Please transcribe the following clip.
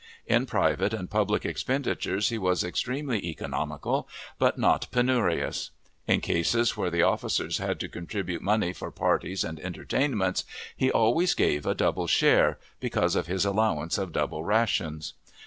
In private and public expenditures he was extremely economical, but not penurious. In cases where the officers had to contribute money for parties and entertainments, he always gave a double share, because of his allowance of double rations.